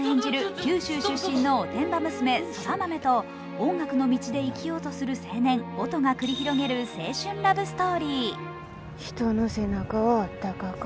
九州出身のおてんば娘・空豆と音楽の道で生きようとする青年音が繰り広げる青春ラブストーリー。